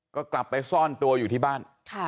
ก็กลับไปซ่อนตัวอยู่ที่บ้าน